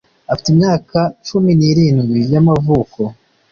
Afite imyaka cumi n’irindwi y’amavuko